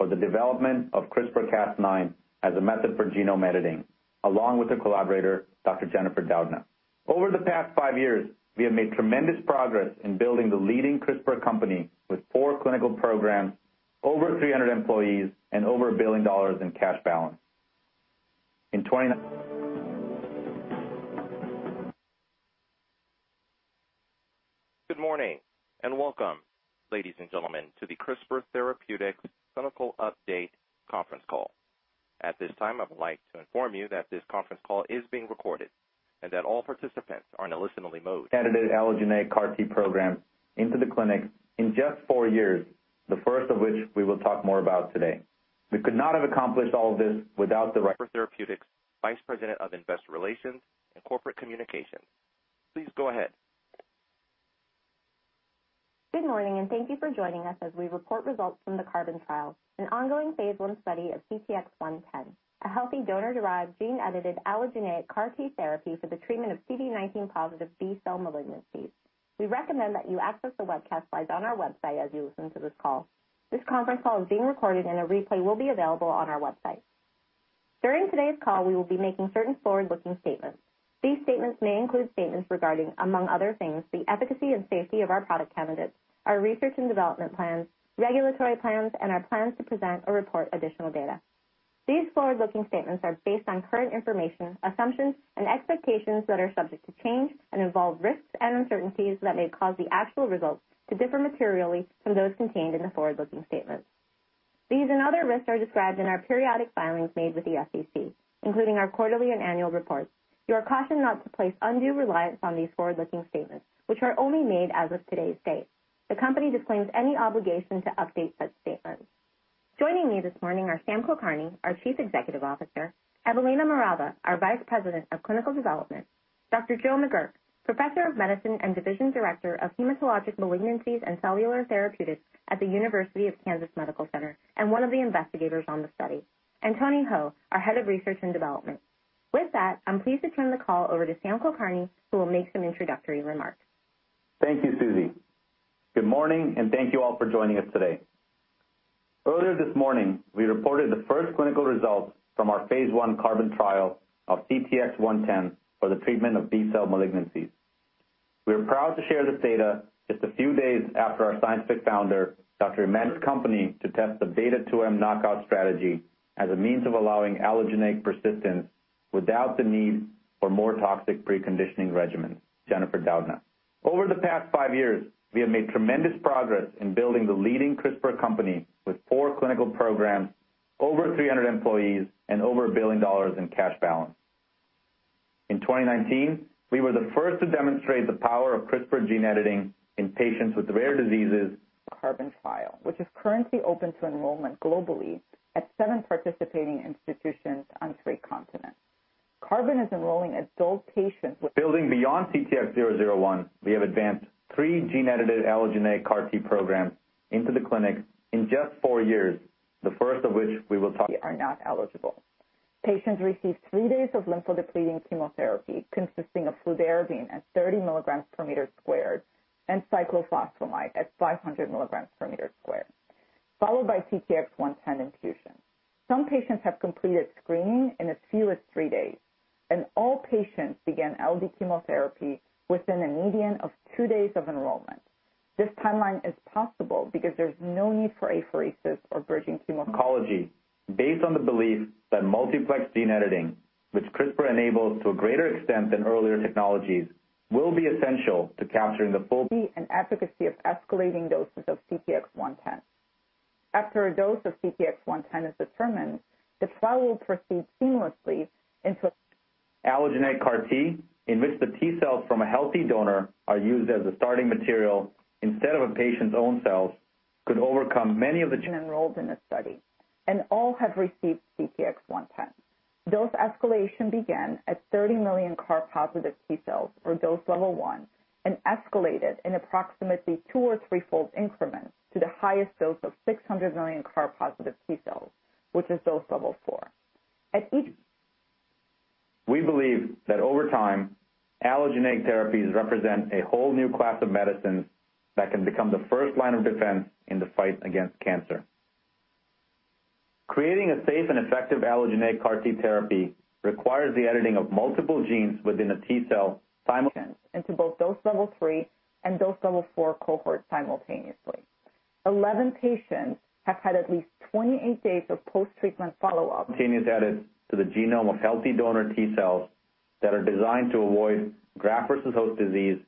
Good morning, and welcome, ladies and gentlemen, to the CRISPR Therapeutics Clinical Update conference call. At this time, I would like to inform you that this conference call is being recorded and that all participants are in a listen-only mode. Edited allogeneic CAR-T program into the clinic in just four years, the first of which we will talk more about today. We could not have accomplished all of this without the. CRISPR Therapeutics Vice President of Investor Relations and Corporate Communications. Please go ahead. Good morning, and thank you for joining us as we report results from the CARBON trial, an ongoing phase I study of CTX110, a healthy donor-derived gene-edited allogeneic CAR-T therapy for the treatment of CD19+ B-cell malignancies. We recommend that you access the webcast slides on our website as you listen to this call. This conference call is being recorded and a replay will be available on our website. During today's call, we will be making certain forward-looking statements. These statements may include statements regarding, among other things, the efficacy and safety of our product candidates, our research and development plans, regulatory plans, and our plans to present or report additional data. These forward-looking statements are based on current information, assumptions, and expectations that are subject to change and involve risks and uncertainties that may cause the actual results to differ materially from those contained in the forward-looking statements. These and other risks are described in our periodic filings made with the SEC, including our quarterly and annual reports. You are cautioned not to place undue reliance on these forward-looking statements, which are only made as of today's date. The company disclaims any obligation to update such statements. Joining me this morning are Sam Kulkarni, our Chief Executive Officer, Evelina Marava, our Vice President of Clinical Development, Dr. Joe McGuirk, Professor of Medicine and Division Director of Hematologic Malignancies and Cellular Therapeutics at the University of Kansas Medical Center and one of the investigators on the study, and Tony Ho, our Head of Research and Development. With that, I'm pleased to turn the call over to Sam Kulkarni, who will make some introductory remarks. Thank you, Susie. Good morning, and thank you all for joining us today. Earlier this morning, we reported the first clinical results from our phase I CARBON trial of CTX110 for the treatment of B-cell malignancies. We are proud to share this data just a few days after our scientific founder, Dr. Emmanuelle The first company to test the B2M knockout strategy as a means of allowing allogeneic persistence without the need for more toxic preconditioning regimens, Jennifer Doudna. Over the past five years, we have made tremendous progress in building the leading CRISPR company with four clinical programs, over 300 employees, and over $1 billion in cash balance. In 2019, we were the first to demonstrate the power of CRISPR gene editing in patients with rare diseases. CARBON trial, which is currently open to enrollment globally at seven participating institutions on three continents. CARBON is enrolling adult patients with. Building beyond CTX001, we have advanced three gene-edited allogeneic CAR-T programs into the clinic in just four years. Are not eligible. Patients receive three days of lymphodepleting chemotherapy consisting of fludarabine at 30 mg per meter squared and cyclophosphamide at 500 mg per meter squared, followed by CTX110 infusion. Some patients have completed screening in as few as three days, and all patients began LD chemotherapy within a median of two days of enrollment. This timeline is possible because there's no need for apheresis or bridging chemo- Oncology based on the belief that multiplex gene editing, which CRISPR enables to a greater extent than earlier technologies, will be essential to capturing the full. Efficacy of escalating doses of CTX110. After a dose of CTX110 is determined, the trial will proceed seamlessly. Allogeneic CAR-T, in which the T-cells from a healthy donor are used as a starting material instead of a patient's own cells, could overcome many of the Enrolled in this study, and all have received CTX110. Dose escalation began at 30 million CAR-positive T-cells for Dose Level 1 and escalated in approximately two or three fold increments to the highest dose of 600 million CAR-positive T-cells, which is Dose Level 4. At each- We believe that over time, allogeneic therapies represent a whole new class of medicines that can become the first line of defense in the fight against cancer. Creating a safe and effective allogeneic CAR-T therapy requires the editing of multiple genes within a T-cell. Into both Dose Level 3 and Dose Level 4 cohorts simultaneously. 11 patients have had at least 28 days of post-treatment follow-up. Gene is added to the genome of healthy donor T-cells that are designed to avoid graft versus host disease,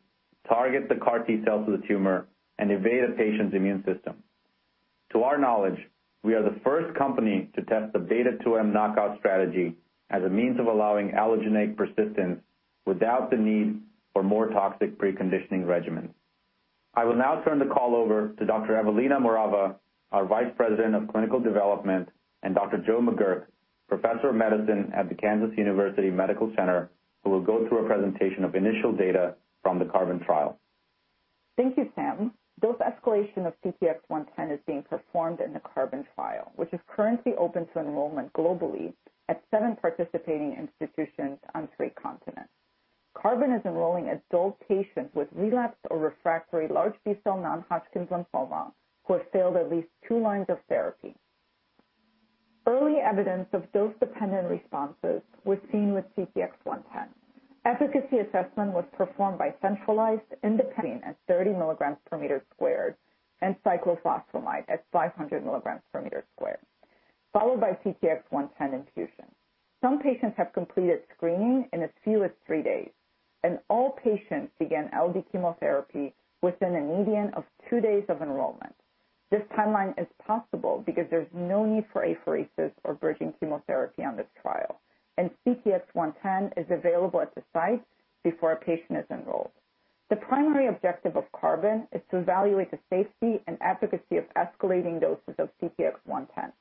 target the CAR T-cells to the tumor, and evade a patient's immune system. To our knowledge, we are the first company to test the B2M knockout strategy as a means of allowing allogeneic persistence without the need for more toxic preconditioning regimens. I will now turn the call over to Dr. Evelina Marava, our Vice President of Clinical Development, and Dr. Joe McGuirk, Professor of Medicine at the University of Kansas Medical Center, who will go through a presentation of initial data from the CARBON trial. Thank you, Sam. Dose escalation of CTX110 is being performed in the CARBON trial, which is currently open to enrollment globally at seven participating institutions on three continents. CARBON is enrolling adult patients with relapsed or refractory large B-cell non-Hodgkin's lymphoma who have failed at least two lines of therapy. Early evidence of dose-dependent responses was seen with CTX110. Efficacy assessment was performed by centralized, independent at 30 mg per meter squared and cyclophosphamide at 500 mg per meter squared, followed by CTX110 infusion. Some patients have completed screening in as few as three days, and all patients began LD chemotherapy within a median of two days of enrollment. This timeline is possible because there's no need for apheresis or bridging chemotherapy on this trial, and CTX110 is available at the site before a patient is enrolled. The primary objective of CARBON is to evaluate the safety and efficacy of escalating doses of CTX110.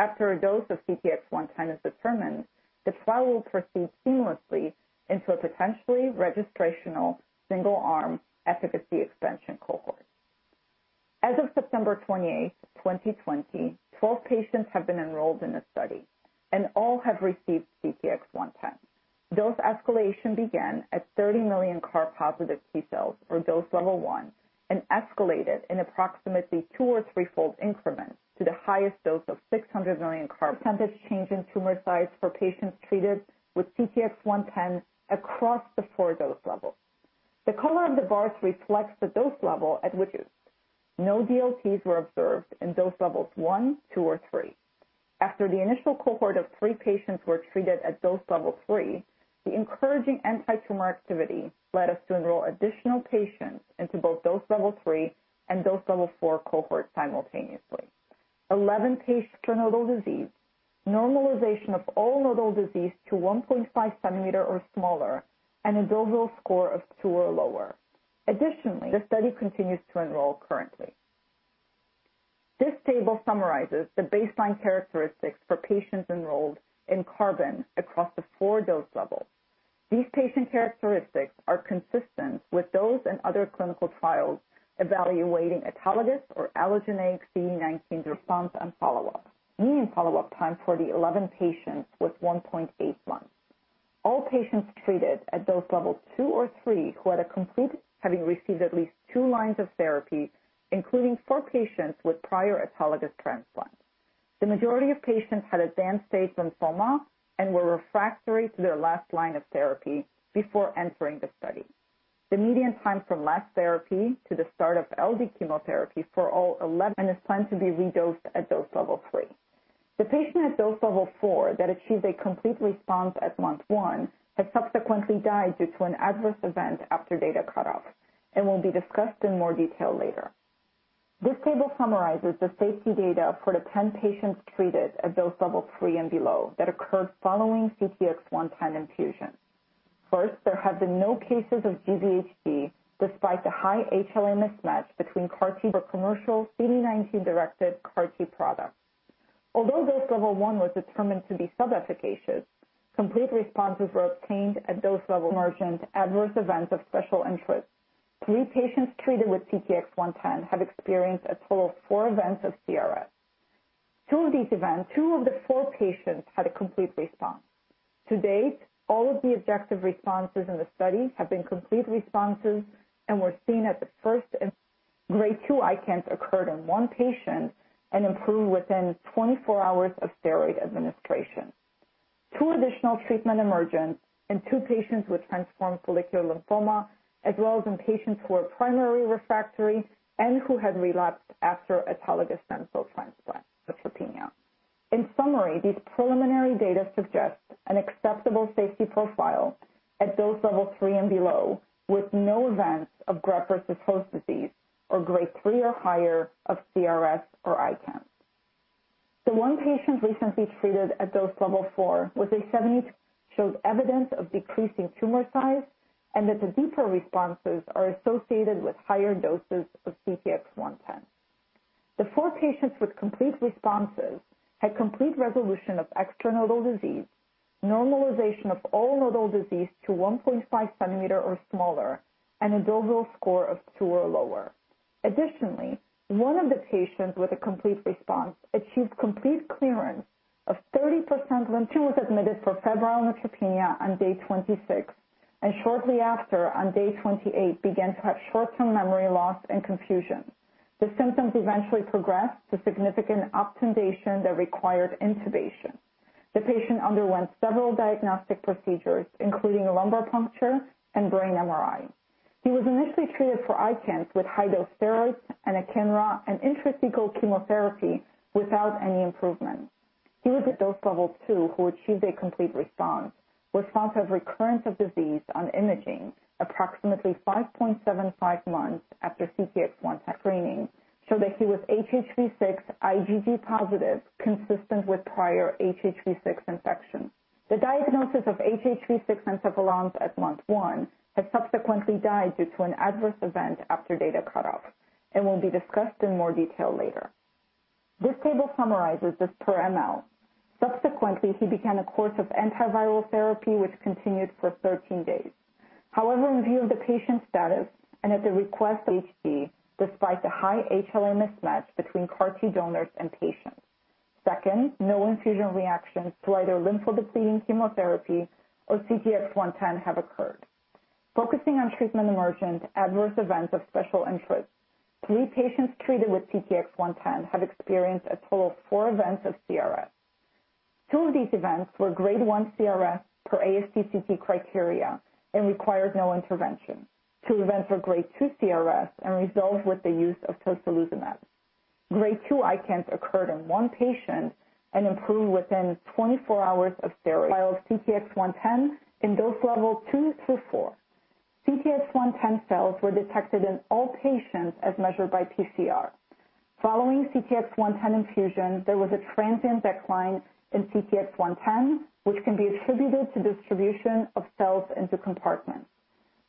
After a dose of CTX110 is determined, the trial will proceed seamlessly into a potentially registrational single-arm efficacy expansion cohort. As of September 28th, 2020, 12 patients have been enrolled in this study, and all have received CTX110. Dose escalation began at 30 million CAR-positive T-cells, or Dose Level 1, and escalated in approximately two or three fold increments to the highest dose of 600 million CAR % change in tumor size for patients treated with CTX110 across the four Dose Levels. The color of the bars reflects the dose level at which no DLTs were observed in Dose Level 1, 2, or 3. After the initial cohort of three patients were treated at Dose Level 3, the encouraging antitumor activity led us to enroll additional patients into both Dose Level 3 and Dose Level 4 cohorts simultaneously. 11 patients for nodal disease, normalization of all nodal disease to 1.5 centimeter or smaller, and a Deauville score of 2 or lower. Additionally, this study continues to enroll currently. This table summarizes the baseline characteristics for patients enrolled in CARBON across the four dose levels. These patient characteristics are consistent with those in other clinical trials evaluating autologous or allogeneic CD19 response and follow-up. Median follow-up time for the 11 patients was 1.8 months. All patients treated at Dose Level 2 or 3 who had a complete, having received at least two lines of therapy, including four patients with prior autologous transplant. The majority of patients had advanced-stage lymphoma and were refractory to their last line of therapy before entering the study. The median time from last therapy to the start of LD chemotherapy for all 11 and is planned to be redosed at Dose Level 3. The patient at Dose Level 4 that achieved a complete response at month one has subsequently died due to an adverse event after data cut-off and will be discussed in more detail later. This table summarizes the safety data for the 10 patients treated at Dose Level 3 and below that occurred following CTX110 infusion. First, there have been no cases of GvHD despite the high HLA mismatch between CAR-T or commercial CD19-directed CAR-T products. Although Dose Level 1 was determined to be sub-efficacious, complete responses were obtained at dose level emergent adverse events of special interest. Three patients treated with CTX110 have experienced a total of four events of CRS. Two of these events, two of the four patients had a complete response. To date, all of the objective responses in the study have been complete responses and were seen at the first and grade 2 ICANS occurred in one patient and improved within 24 hours of steroid administration. Two additional treatment emergence in two patients with transformed follicular lymphoma, as well as in patients who are primary refractory and who had relapsed after autologous stem cell transplant for leukemia. In summary, these preliminary data suggest an acceptable safety profile at Dose Level 3 and below, with no events of graft-versus-host disease or grade 3 or higher of CRS or ICANS. The one patient recently treated at Dose Level 4 with a seven-week shows evidence of decreasing tumor size and that the deeper responses are associated with higher doses of CTX110. The four patients with complete responses had complete resolution of extranodal disease, normalization of all nodal disease to 1.5 cm or smaller, and a Deauville score of two or lower. One of the patients with a complete response achieved complete clearance of 30% lymph who was admitted for febrile neutropenia on day 26, and shortly after, on day 28, began to have short-term memory loss and confusion. The symptoms eventually progressed to significant obtundation that required intubation. The patient underwent several diagnostic procedures, including a lumbar puncture and brain MRI. He was initially treated for ICANS with high-dose steroids and anakinra and intrathecal chemotherapy without any improvement. He was at dose level 2 who achieved a complete response, with signs of recurrence of disease on imaging approximately 5.75 months after CTX110 screening showed that he was HHV-6 IgG positive, consistent with prior HHV-6 infection. The diagnosis of HHV-6 encephalitis at month 1 has subsequently died due to an adverse event after data cut-off and will be discussed in more detail later. This table summarizes this per milliliter. Subsequently, he began a course of antiviral therapy, which continued for 13 days. However, in view of the patient's status and at the request of, despite the high HLA mismatch between CAR T donors and patients. Second, no infusion reactions to either lymphodepleting chemotherapy or CTX110 have occurred. Focusing on treatment-emergent adverse events of special interest, three patients treated with CTX110 have experienced a total of four events of CRS. Two of these events were Grade 1 CRS per ASTCT criteria and required no intervention. Two events were Grade 2 CRS and resolved with the use of tocilizumab. Grade 2 ICANS occurred in one patient and improved within 24 hours of steroids. CTX110 in Dose Level 2 through Dose Level 4. CTX110 cells were detected in all patients as measured by PCR. Following CTX110 infusion, there was a transient decline in CTX110, which can be attributed to distribution of cells into compartments.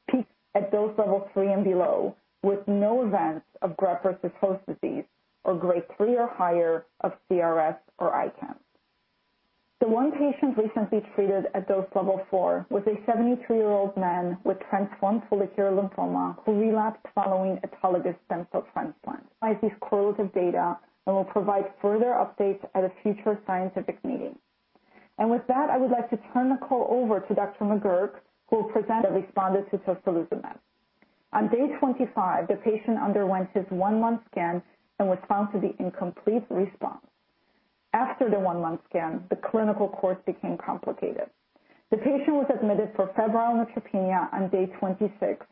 Peak at Dose Level 3 and below, with no events of graft-versus-host disease or Grade 3 or higher of CRS or ICANS. The one patient recently treated at Dose Level 4 was a 73-year-old man with transformed follicular lymphoma who relapsed following autologous stem cell transplant. These correlates of data and will provide further updates at a future scientific meeting. With that, I would like to turn the call over to Dr. McGuirk. That responded to tocilizumab. On day 25, the patient underwent his one-month scan and was found to be in complete response. After the one-month scan, the clinical course became complicated. The patient was admitted for febrile neutropenia on day 26,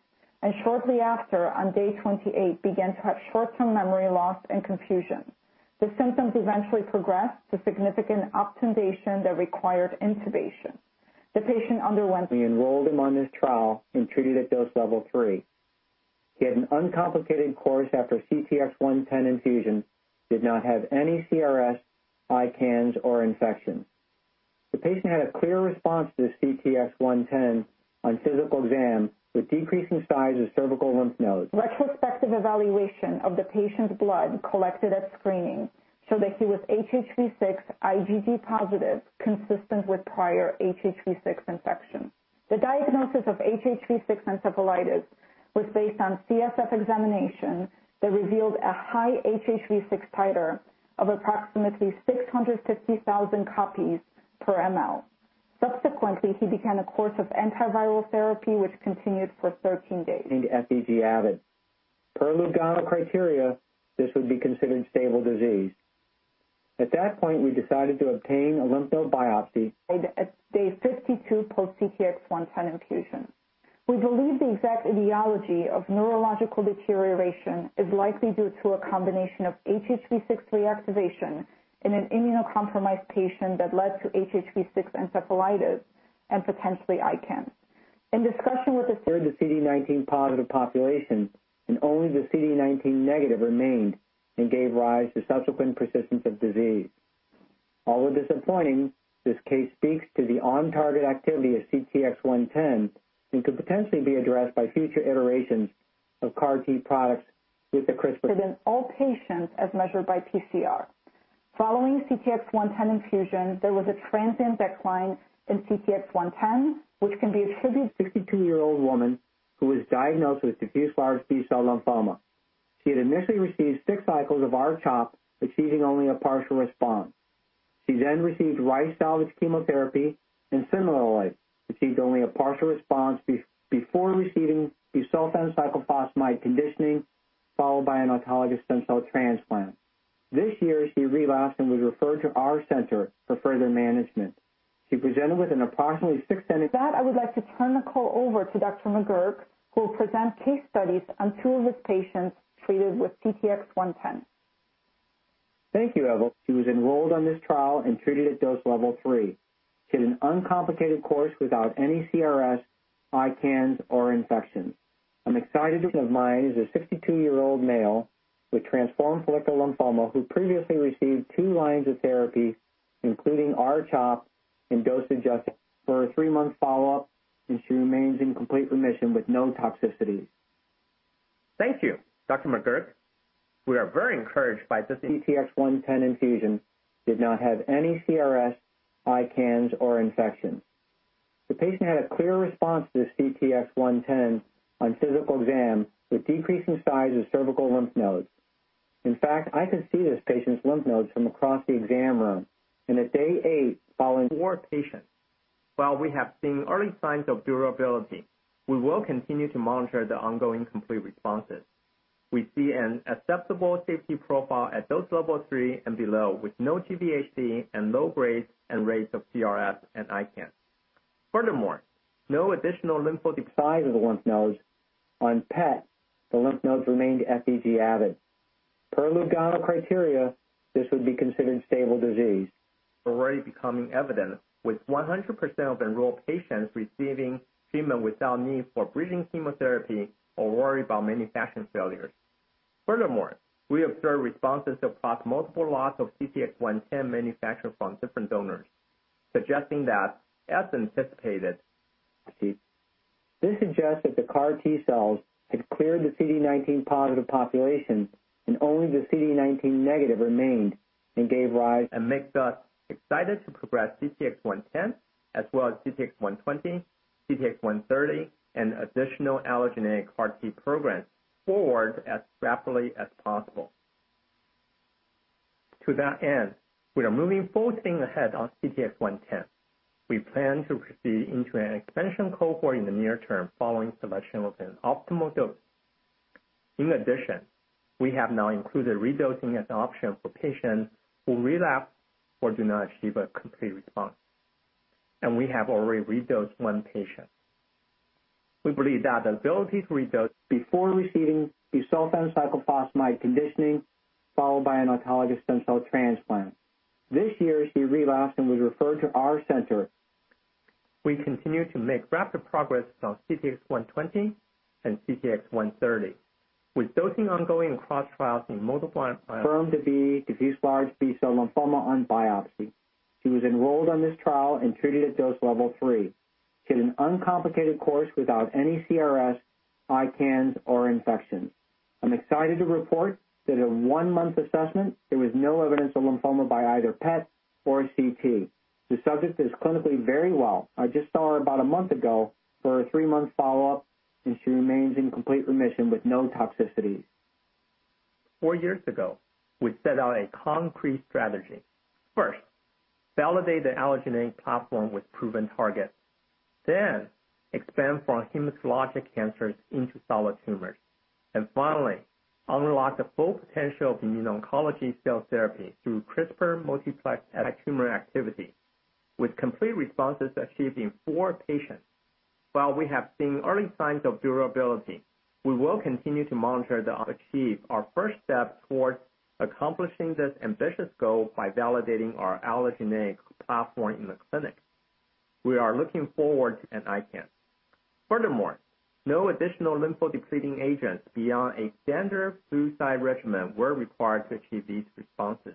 and shortly after, on day 28, began to have short-term memory loss and confusion. The symptoms eventually progressed to significant obtundation that required intubation. We enrolled him on this trial and treated at Dose Level 3. He had an uncomplicated course after CTX110 infusion, did not have any CRS, ICANS, or infections. The patient had a clear response to CTX110 on physical exam with decreasing size of cervical lymph nodes. Retrospective evaluation of the patient's blood collected at screening showed that he was HHV-6 IgG positive, consistent with prior HHV-6 infection. The diagnosis of HHV-6 encephalitis was based on CSF examination that revealed a high HHV-6 titer of approximately 650,000 copies per milliliter. Subsequently, he began a course of antiviral therapy, which continued for 13 days. FDG avid. Per Lugano criteria, this would be considered stable disease. At that point, we decided to obtain a lymph node biopsy. At day 52 post CTX110 infusion. We believe the exact etiology of neurological deterioration is likely due to a combination of HHV-6 reactivation in an immunocompromised patient that led to HHV-6 encephalitis and potentially ICANS. Cleared the CD19 positive population, and only the CD19 negative remained and gave rise to subsequent persistence of disease. Although disappointing, this case speaks to the on-target activity of CTX110 and could potentially be addressed by future iterations of CAR-T products. Present all patients as measured by PCR. Following CTX110 infusion, there was a transient decline in CTX110. A 62-year-old woman who was diagnosed with diffuse large B-cell lymphoma. She had initially received six cycles of R-CHOP, achieving only a partial response. She then received RICE salvage chemotherapy and similarly, achieved only a partial response before receiving busulfan cyclophosphamide conditioning followed by an autologous stem cell transplant. This year, she relapsed and was referred to our center for further management. With that, I would like to turn the call over to Dr. McGuirk, who will present case studies on two of his patients treated with CTX110. Thank you. She was enrolled on this trial and treated at Dose Level 3. She had an uncomplicated course without any CRS, ICANS, or infections. Of mine is a 62-year-old male with transformed follicular lymphoma who previously received two lines of therapy, including R-CHOP. For her three-month follow-up, she remains in complete remission with no toxicities. Thank you, Dr. McGuirk. We are very encouraged by CTX110. CTX110 infusion, did not have any CRS, ICANS, or infections. The patient had a clear response to CTX110 on physical exam with decreasing size of cervical lymph nodes. In fact, I can see this patient's lymph nodes from across the exam room. At day eight. Four patients. While we have seen early signs of durability, we will continue to monitor the ongoing complete responses. We see an acceptable safety profile at Dose Level 3 and below, with no GvHD and low grades and rates of CRS and ICANS. Furthermore, no additional Size of the lymph nodes. On PET, the lymph nodes remained FDG avid. Per Lugano criteria, this would be considered stable disease. Already becoming evident with 100% of enrolled patients receiving treatment without need for bridging chemotherapy or worry about manufacturing failures. Furthermore, we observed responses across multiple lots of CTX110 manufactured from different donors, suggesting that, as anticipated, CAR T. This suggests that the CAR T cells had cleared the CD19 positive population, and only the CD19 negative remained. Makes us excited to progress CTX110 as well as CTX120, CTX130, and additional allogeneic CAR T programs forward as rapidly as possible. To that end, we are moving full steam ahead on CTX110. We plan to proceed into an expansion cohort in the near term following selection of an optimal dose. In addition, we have now included redosing as an option for patients who relapse or do not achieve a complete response, and we have already redosed one patient. We believe that the ability to redose before receiving the cyclophosphamide conditioning followed by an autologous stem cell transplant. This year, she relapsed and was referred to our center. We continue to make rapid progress on CTX120 and CTX130 with dosing ongoing across trials in multiple myeloma, confirmed to be diffuse large B-cell lymphoma on biopsy. She was enrolled on this trial and treated at Dose Level 3. She had an uncomplicated course without any CRS, ICANS, or infections. I'm excited to report that at a one-month assessment, there was no evidence of lymphoma by either PET or CT. The subject is clinically very well. I just saw her about a three-month follow-up, and she remains in complete remission with no toxicities. four years ago, we set out a concrete strategy. First, validate the allogeneic platform with proven targets, then expand from hematologic cancers into solid tumors, and finally, unlock the full potential of immuno-oncology cell therapy through CRISPR multiplex anti-tumor activity. With complete responses achieved in four patients. While we have seen early signs of durability, we will continue to monitor the achieve our first step towards accomplishing this ambitious goal by validating our allogeneic platform in the clinic. We are looking forward and ICANS. Furthermore, no additional lymphodepleting agents beyond a standard suicide regimen were required to achieve these responses.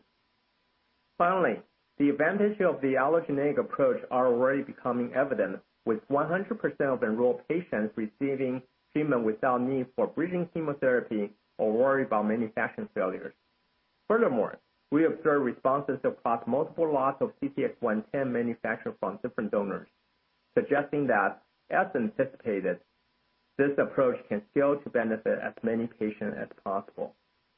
Finally, the advantage of the allogeneic approach are already becoming evident, with 100% of enrolled patients receiving treatment without need for bridging chemotherapy or worry about manufacturing failures. Furthermore, we observed responses across multiple lots of CTX110 manufactured from different donors, suggesting that, as anticipated, this approach can scale to benefit as many patients as possible.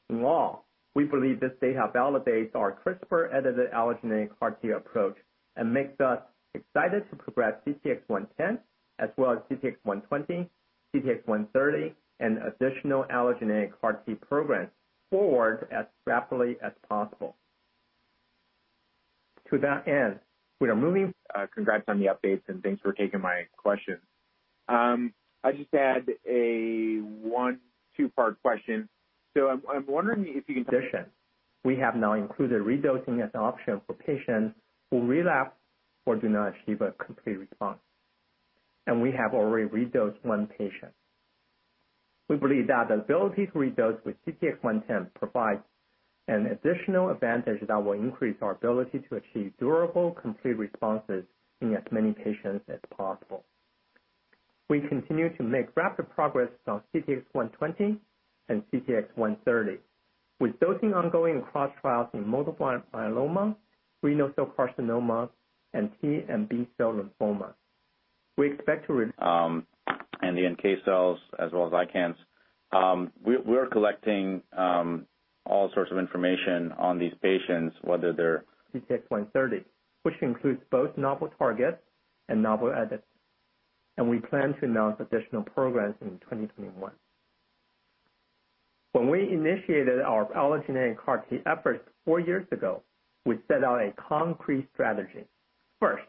In all, we believe this data validates our CRISPR-edited allogeneic CAR-T approach and makes us excited to progress CTX110, as well as CTX120, CTX130, and additional allogeneic CAR-T programs forward as rapidly as possible. To that end, we are moving- Congrats on the updates, thanks for taking my question. I just had a two-part question. We have now included redosing as an option for patients who relapse or do not achieve a complete response, and we have already redosed one patient. We believe that the ability to redose with CTX110 provides an additional advantage that will increase our ability to achieve durable, complete responses in as many patients as possible. We continue to make rapid progress on CTX120 and CTX130, with dosing ongoing in cross trials in multiple myeloma, renal cell carcinoma, and T and B cell lymphoma. The NK cells as well as ICANS. We're collecting all sorts of information on these patients, whether they're- CTX130, which includes both novel targets and novel edits, and we plan to announce additional progress in 2021. When we initiated our allogeneic CAR-T efforts four years ago, we set out a concrete strategy. First,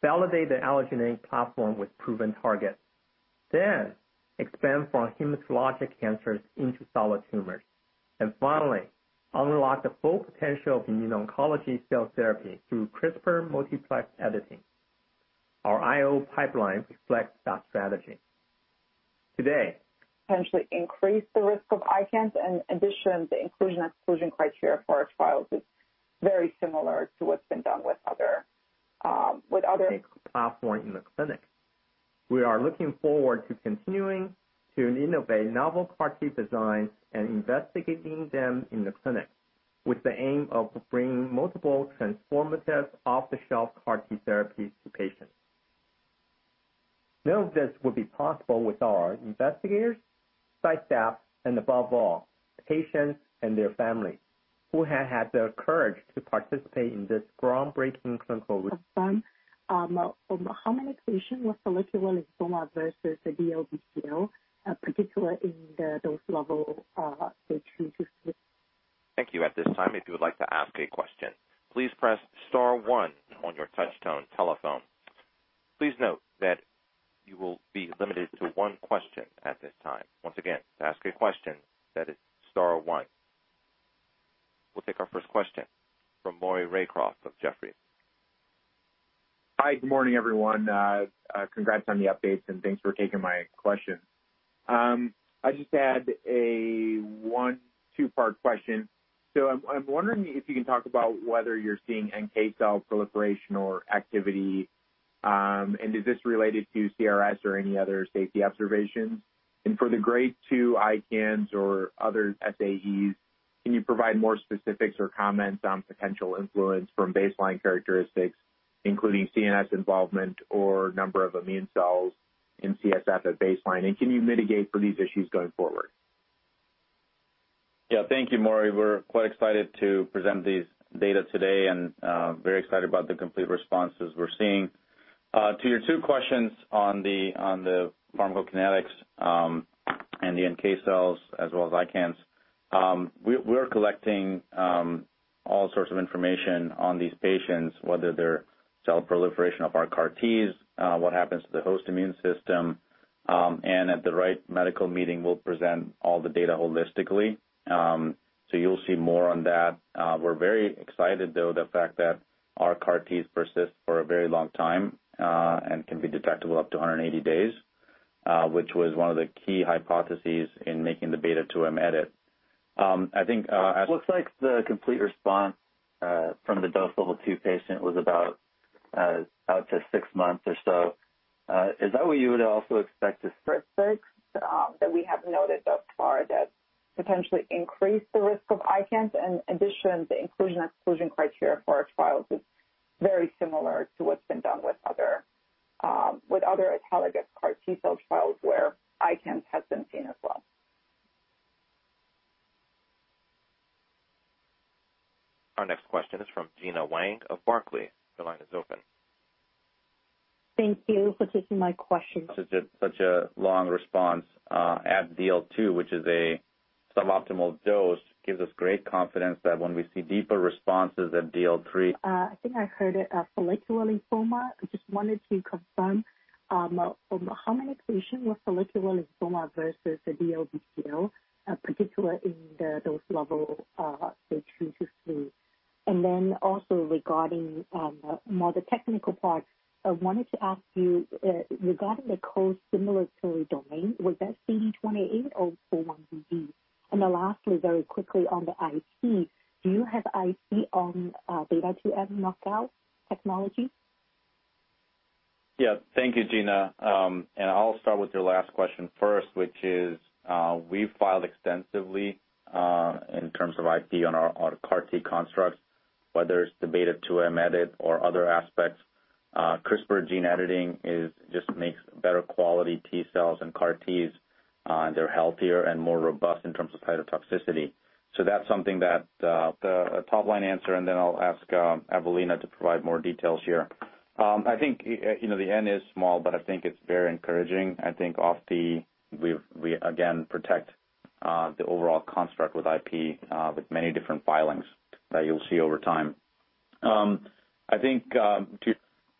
validate the allogeneic platform with proven targets, then expand from hematologic cancers into solid tumors, and finally, unlock the full potential of immuno-oncology cell therapy through CRISPR multiplex editing. Our IO pipeline reflects that strategy. potentially increase the risk of ICANS. In addition, the inclusion/exclusion criteria for our trials is very similar to what's been done with. platform in the clinic. We are looking forward to continuing to innovate novel CAR-T designs and investigating them in the clinic with the aim of bringing multiple transformative off-the-shelf CAR-T therapies to patients. None of this would be possible without our investigators, site staff, and above all, patients and their families who have had the courage to participate in this groundbreaking clinical- How many patients with follicular lymphoma versus DLBCL, particularly in the dose level, the two. Thank you. We'll take our first question from Maury Raycroft of Jefferies. Hi, good morning, everyone. Congrats on the updates, and thanks for taking my question. I just had a two-part question. I'm wondering if you can talk about whether you're seeing NK cell proliferation or activity, and is this related to CRS or any other safety observations? For the grade 2 ICANS or other SAEs, can you provide more specifics or comments on potential influence from baseline characteristics Including CNS involvement or number of immune cells in CSF at baseline, and can you mitigate for these issues going forward? Yeah. Thank you, Maury. We're quite excited to present these data today and very excited about the complete responses we're seeing. To your two questions on the pharmacokinetics and the NK cells as well as ICANS. We're collecting all sorts of information on these patients, whether they're cell proliferation of our CAR-Ts, what happens to the host immune system. At the right medical meeting, we'll present all the data holistically. You'll see more on that. We're very excited, though, the fact that our CAR-Ts persist for a very long time and can be detectable up to 180 days, which was one of the key hypotheses in making the B2M edit. It looks like the complete response from the Dose Level 2 patient was about out to six months or so. Is that what you would also expect to see? That we have noted thus far that potentially increase the risk of ICANS. In addition, the inclusion exclusion criteria for our trials is very similar to what's been done with other allogeneic CAR T-cell trials where ICANS has been seen as well. Our next question is from Gena Wang of Barclays. Your line is open. Thank you for taking my question. Such a long response at Dose Level 2, which is a suboptimal dose, gives us great confidence that when we see deeper responses at Dose Level 3. I think I heard it, follicular lymphoma. I just wanted to confirm how many patients with follicular lymphoma versus the DLBCL, particularly in the Dose Level 2 to 3. Also regarding more the technical part, I wanted to ask you regarding the co-stimulatory domain, was that CD28 or 4-1BB? Lastly, very quickly on the IP, do you have IP on B2M knockout technology? Yeah. Thank you, Gena. I'll start with your last question first, which is, we filed extensively in terms of IP on our CAR-T constructs, whether it's the B2M edit or other aspects. CRISPR gene editing just makes better quality T-cells and CAR-Ts. They're healthier and more robust in terms of cytotoxicity. That's something that the top line answer, and then I'll ask Evelina to provide more details here. I think the N is small, but I think it's very encouraging. I think we again protect the overall construct with IP with many different filings that you'll see over time. I think to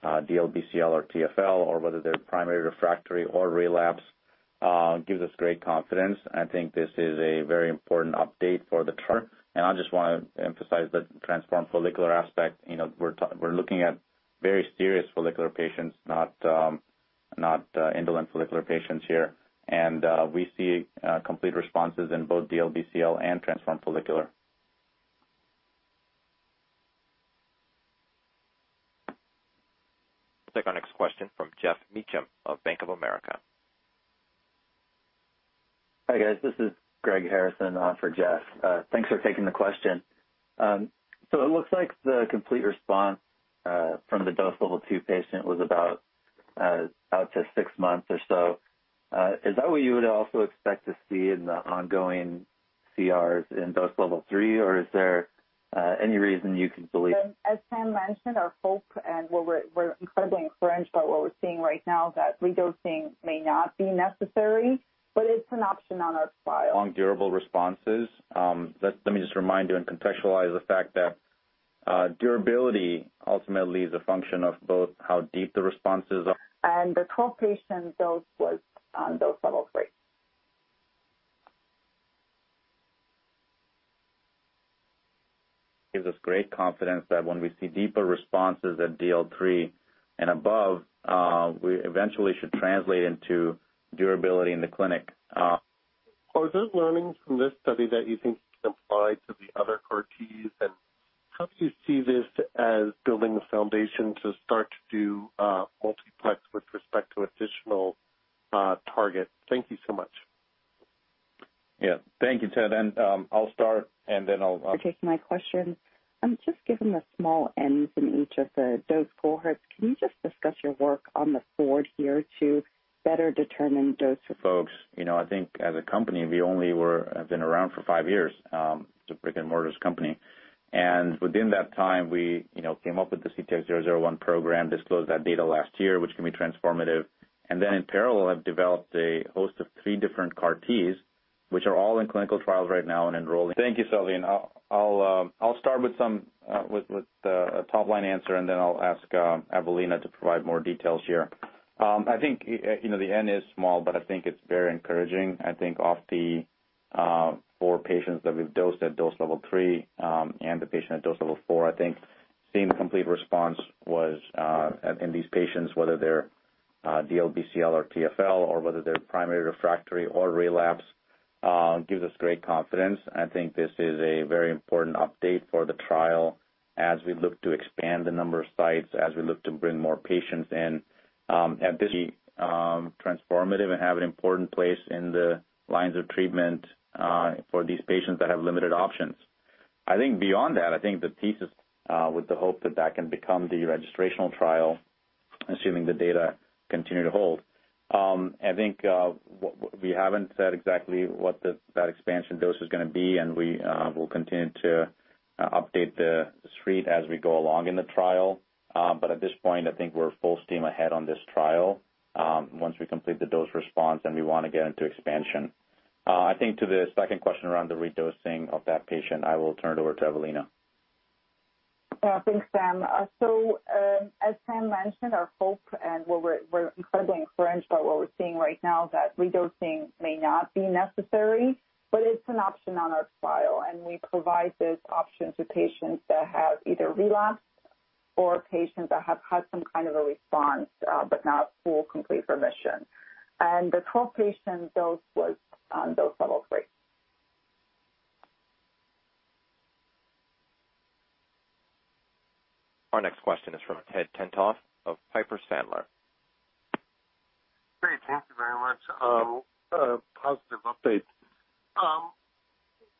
DLBCL or TFL or whether they're primary refractory or relapse gives us great confidence. I think this is a very important update for the trial. I just want to emphasize the transformed follicular aspect. We're looking at very serious follicular patients, not indolent follicular patients here. We see complete responses in both DLBCL and transformed follicular. Take our next question from Jeff Meacham of Bank of America. Hi, guys. This is Greg Harrison for Jeff. Thanks for taking the question. It looks like the complete response from the Dose Level 2 patient was about out to six months or so. Is that what you would also expect to see in the ongoing CRs in Dose Level 3? As Sam mentioned, our hope and we're incredibly encouraged by what we're seeing right now that redosing may not be necessary, but it's an option on our file. Long durable responses. Let me just remind you and contextualize the fact that durability ultimately is a function of both how deep the responses are. The 12 patient dose was on Dose Level 3. Gives us great confidence that when we see deeper responses at Dose Level 3 and above, we eventually should translate into durability in the clinic. Are those learnings from this study that you think can apply to the other CAR-Ts? How do you see this as building the foundation to start to do multiplex with respect to additional targets? Thank you so much. Yeah. Thank you, Ted. I'll start. For taking my question. Just given the small Ns in each of the dose cohorts, can you just discuss your work on the forward here to better determine dose for- Folks, I think as a company, we only have been around for five years as a brick-and-mortar company. Within that time, we came up with the CTX001 program, disclosed that data last year, which can be transformative. Then in parallel, have developed a host of three different CAR-Ts, which are all in clinical trials right now and enrolling. Thank you, Gena. I'll start with a top line answer, and then I'll ask Evelina to provide more details here. I think the N is small, but I think it's very encouraging. I think of the four patients that we've dosed at Dose Level 3 and the patient at Dose Level 4, I think seeing complete response was in these patients, whether they're DLBCL or TFL or whether they're primary refractory or relapse, gives us great confidence. I think this is a very important update for the trial as we look to expand the number of sites, as we look to bring more patients in. Transformative and have an important place in the lines of treatment for these patients that have limited options. I think beyond that, I think the thesis with the hope that that can become the registrational trial, assuming the data continue to hold. I think we haven't said exactly what that expansion dose is going to be, and we will continue to update the street as we go along in the trial. At this point, I think we're full steam ahead on this trial. Once we complete the dose response, then we want to get into expansion. I think to the second question around the redosing of that patient, I will turn it over to Evelina. Thanks, Sam. As Sam mentioned, our hope and we're incredibly encouraged by what we're seeing right now that redosing may not be necessary, but it's an option on our trial, and we provide this option to patients that have either relapsed or patients that have had some kind of a response, but not full complete remission. The 12 patient dose was on Dose Level 3. Our next question is from Ted Tenthoff of Piper Sandler. Great. Thank you very much. Positive update.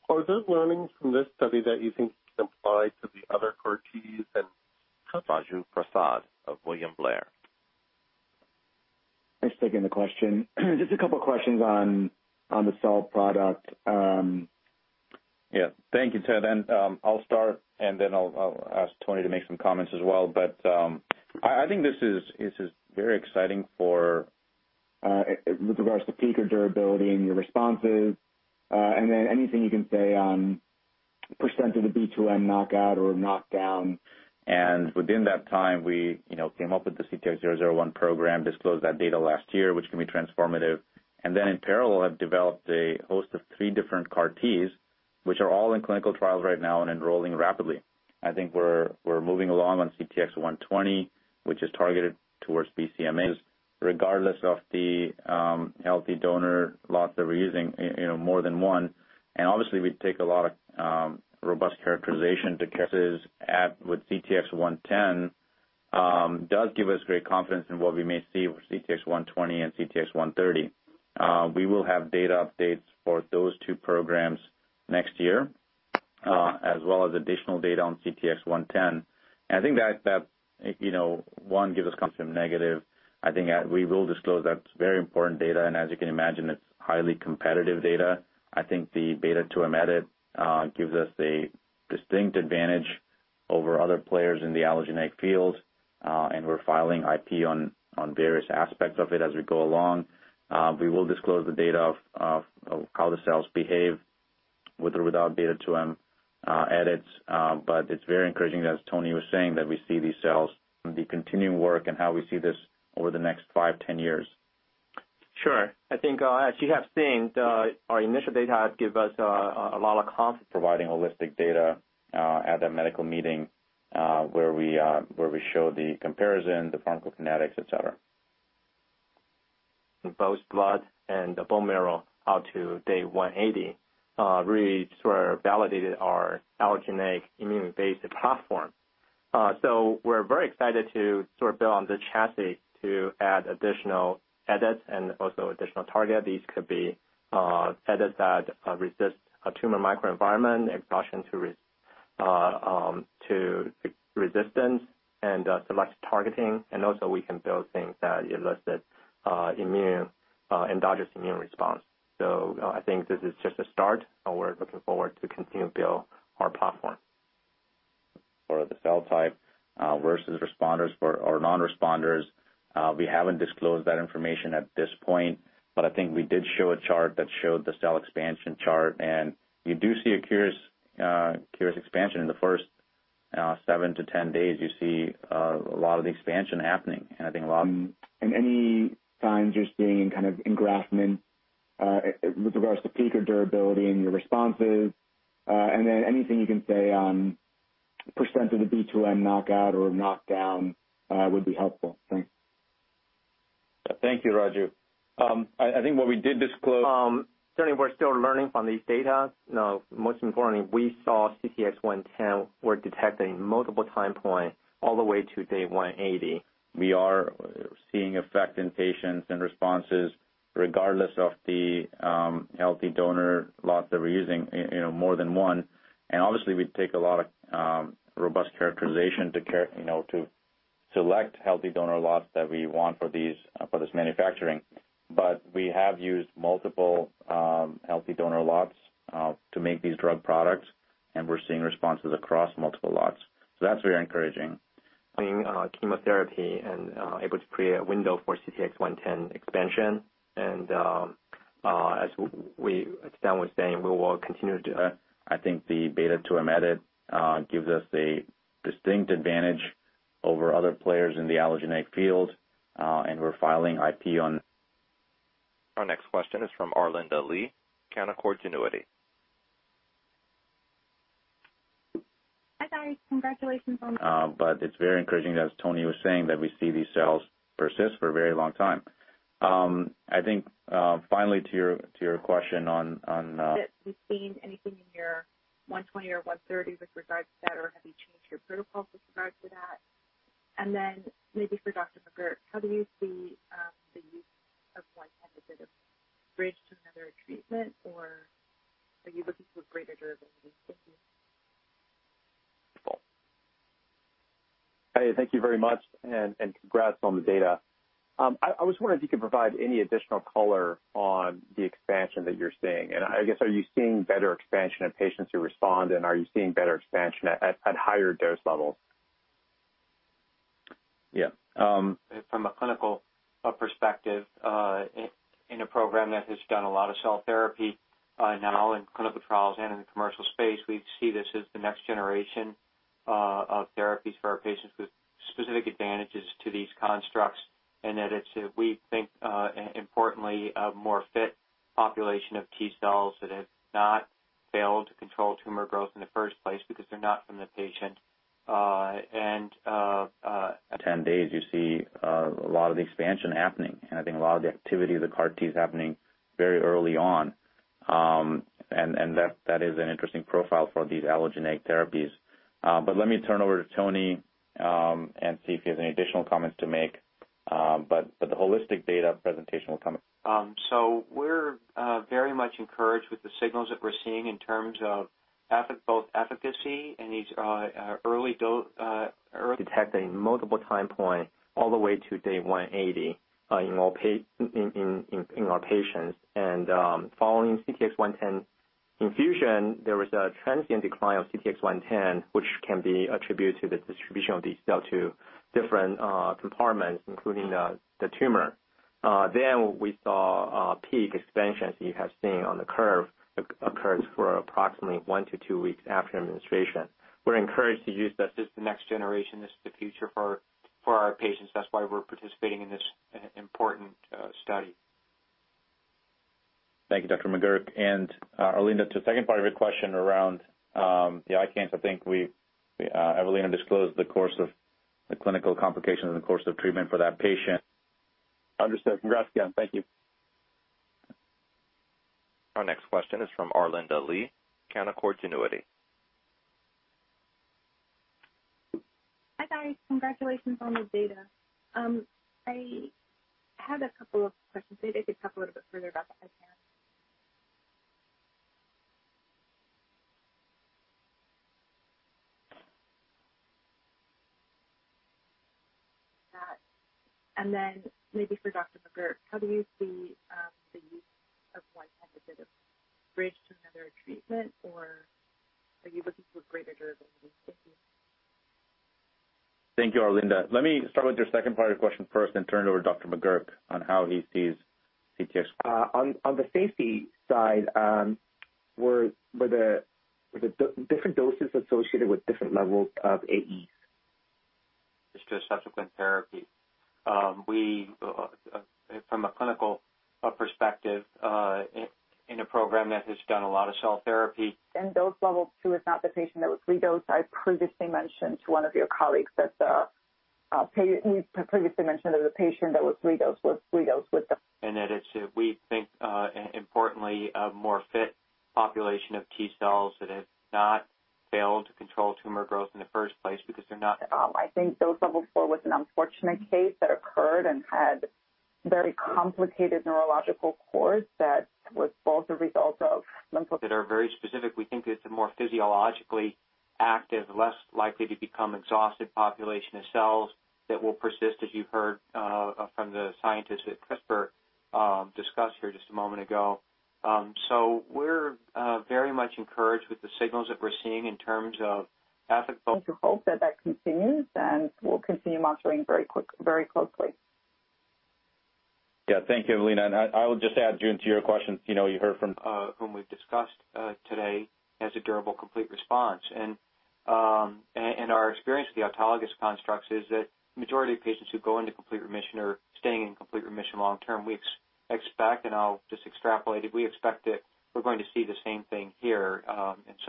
Are there learnings from this study that you think can apply to the other CAR-Ts? Raju Prasad of William Blair. Thanks for taking the question. Just a couple of questions on the cell product. Yeah, thank you, Ted. I'll start, and then I'll ask Tony to make some comments as well. I think this is very exciting. With regards to peak or durability and your responses, and then anything you can say on % of the B2M knockout or knockdown? Within that time, we came up with the CTX001 program, disclosed that data last year, which can be transformative. In parallel, have developed a host of three different CAR-Ts, which are all in clinical trials right now and enrolling rapidly. I think we're moving along on CTX120, which is targeted towards BCMAs regardless of the healthy donor lots that we're using, more than one. Obviously, we take a lot of robust characterization to assess with CTX110, does give us great confidence in what we may see with CTX120 and CTX130. We will have data updates for those two programs next year, as well as additional data on CTX110. I think that one gives us confidence negative. I think that we will disclose that very important data, and as you can imagine, it's highly competitive data. I think the B2M edit gives us a distinct advantage over other players in the allogeneic field, and we're filing IP on various aspects of it as we go along. We will disclose the data of how the cells behave with or without B2M edits. It's very encouraging, as Tony was saying, that we see these cells, the continuing work and how we see this over the next five, 10 years. Sure. I think as you have seen, our initial data give us a lot of confidence. Providing holistic data at that medical meeting where we show the comparison, the pharmacokinetics, et cetera. Both blood and the bone marrow out to day 180, really sort of validated our allogeneic immune-based platform. We're very excited to sort of build on the chassis to add additional edits and also additional target. These could be edits that resist a tumor microenvironment, exhaustion to resistance, and select targeting. We can build things that elicit endogenous immune response. I think this is just a start, and we're looking forward to continue build our platform. For the cell type versus responders or non-responders. We haven't disclosed that information at this point, but I think we did show a chart that showed the cell expansion chart, and you do see a curious expansion in the first 7-10 days. You see a lot of the expansion happening. Any signs you're seeing kind of engraftment with regards to peak or durability and your responses, and then anything you can say on percentage of the B2M knockout or knockdown would be helpful. Thanks. Thank you, Raju. I think what we did disclose. Certainly, we're still learning from these data. Most importantly, we saw CTX110. We're detecting multiple time points all the way to day 180. We are seeing effect in patients and responses regardless of the healthy donor lots that we're using, more than one. Obviously, we take a lot of robust characterization to select healthy donor lots that we want for this manufacturing. We have used multiple healthy donor lots to make these drug products, and we're seeing responses across multiple lots. That's very encouraging. Seeing chemotherapy and able to create a window for CTX110 expansion. I think the B2M edit gives us a distinct advantage over other players in the allogeneic field, and we're filing IP. Our next question is from Arlinda Lee, Canaccord Genuity. Hi, guys. Congratulations on- It's very encouraging, as Tony was saying, that we see these cells persist for a very long time. That you've seen anything in your CTX120 or CTX130 with regards to that, or have you changed your protocols with regards to that? Then maybe for Dr. McGuirk, how do you see bridge to another treatment, or are you looking for greater durability? Thank you. Hey, thank you very much. Congrats on the data. I was wondering if you could provide any additional color on the expansion that you're seeing? I guess, are you seeing better expansion in patients who respond, and are you seeing better expansion at higher dose levels? Yeah. From a clinical perspective, in a program that has done a lot of cell therapy, not all in clinical trials and in the commercial space, we see this as the next generation of therapies for our patients with specific advantages to these constructs, and that it's, we think, importantly, a more fit population of T cells that have not failed to control tumor growth in the first place because they're not from the patient. 10 days, you see a lot of the expansion happening, and I think a lot of the activity of the CAR-T is happening very early on. That is an interesting profile for these allogeneic therapies. Let me turn over to Tony and see if he has any additional comments to make. The holistic data presentation will come- We're very much encouraged with the signals that we're seeing in terms of both efficacy in each early dose. Detect at multiple time point all the way to day 180 in our patients. Following CTX110 infusion, there was a transient decline of CTX110, which can be attributed to the distribution of these cell to different compartments, including the tumor. We saw peak expansions you have seen on the curve occurs for approximately one to two weeks after administration. We're encouraged to use this as the next generation. This is the future for our patients. That's why we're participating in this important study. Thank you, Dr. McGuirk. Arlinda, to the second part of your question around the ICANS, I think Evelina disclosed the course of the clinical complications in the course of treatment for that patient. Understood. Congrats again. Thank you. Our next question is from Arlinda Lee, Canaccord Genuity. Hi, guys. Congratulations on the data. I had a couple of questions. Maybe they could talk a little bit further about the ICANS. Then maybe for Dr. McGuirk, how do you see the use of CTX110 as a bridge to another treatment, or are you looking for greater durability? Thank you. Thank you, Arlinda. Let me start with your second part of your question first, then turn it over to Dr. McGuirk on how he sees CTX-. On the safety side, were the different doses associated with different levels of AEs? Just to a subsequent therapy. From a clinical perspective, in a program that has done a lot of cell therapy. In those levels too is not the patient that was redosed. I previously mentioned to one of your colleagues that the patient that was redosed with the. That it's, we think, importantly, a more fit population of T cells that have not failed to control tumor growth in the first place because they're not. I think Dose Level 4 was an unfortunate case that occurred and had very complicated neurological course that was both a result of lymphodepletion. That are very specific. We think it's a more physiologically active, less likely to become exhausted population of cells that will persist, as you heard from the scientists at CRISPR discuss here just a moment ago. We're very much encouraged with the signals that we're seeing in terms of Continue to hope that that continues, and we'll continue monitoring very closely. Yeah, thank you, Evelina. I will just add, Gena, to your question, you heard from. Of whom we've discussed today has a durable complete response. Our experience with the autologous constructs is that majority of patients who go into complete remission are staying in complete remission long term. We expect, and I'll just extrapolate it, we expect that we're going to see the same thing here.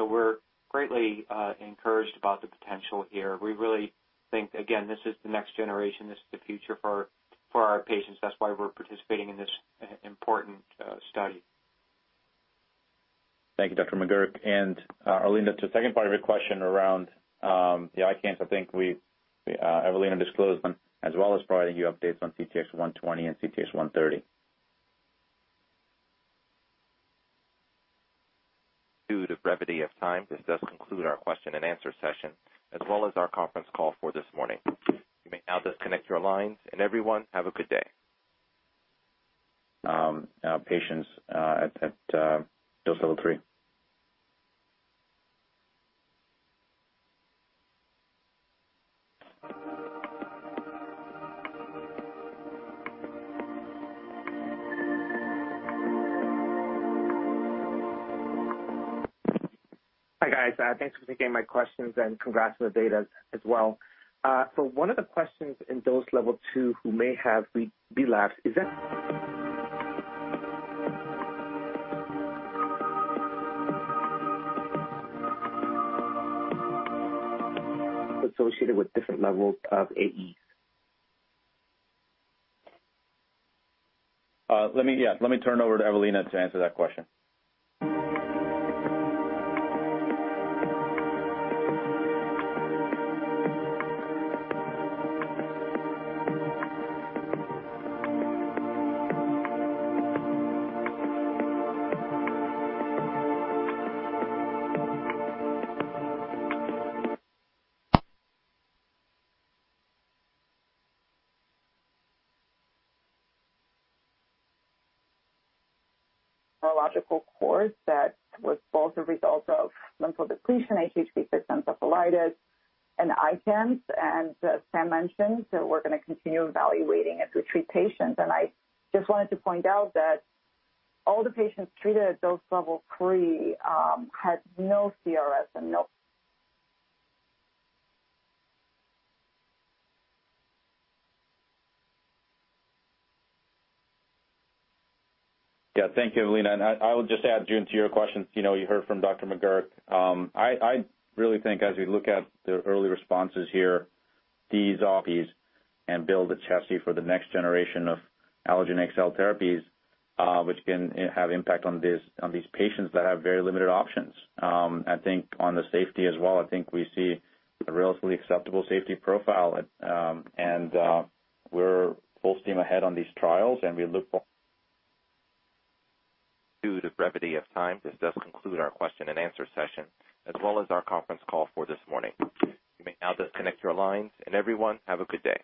We're greatly encouraged about the potential here. We really think, again, this is the next generation. This is the future for our patients. That's why we're participating in this important study. Thank you, Dr. McGuirk. Arlinda, to the second part of your question around the ICANS, I think Evelina disclosed them, as well as providing you updates on CTX120 and CTX130. Due to brevity of time, this does conclude our question and answer session, as well as our conference call for this morning. You may now disconnect your lines, and everyone, have a good day. Patients at Dose Level 3. Hi, guys. Thanks for taking my questions, and congrats on the data as well. One of the questions in Dose Level 2 who may have relapsed, is that? Associated with different levels of AEs. Yeah. Let me turn it over to Evelina to answer that question. Neurological course that was both a result of lymphodepletion, HHV-6, for encephalitis and ICANS. As Sam mentioned, we're going to continue evaluating it to treat patients. I just wanted to point out that all the patients treated at Dose Level 3 had no CRS. Yeah, thank you, Evelina. I will just add, Gena, to your question, you heard from Dr. McGuirk. I really think as we look at the early responses here, build a chassis for the next generation of allogeneic cell therapies, which can have impact on these patients that have very limited options. I think on the safety as well, we see a relatively acceptable safety profile, and we're full steam ahead on these trials. Due to brevity of time, this does conclude our question and answer session, as well as our conference call for this morning. You may now disconnect your lines, and everyone, have a good day.